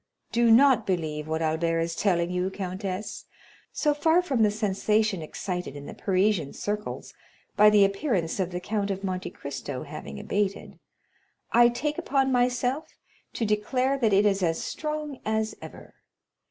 Do not believe what Albert is telling you, countess; so far from the sensation excited in the Parisian circles by the appearance of the Count of Monte Cristo having abated, I take upon myself to declare that it is as strong as ever.